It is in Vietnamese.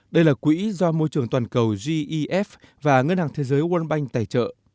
đây là quỹ do môi trường toàn cầu gef và ngân hàng thế giới world bank tài trợ